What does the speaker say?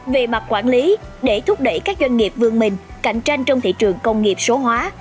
về mặt quản lý để thúc đẩy các doanh nghiệp vương mình cạnh tranh trong thị trường công nghiệp số hóa